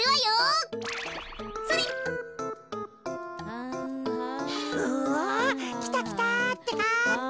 うわっきたきたってか。